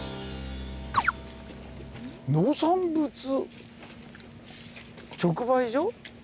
農産物直売所？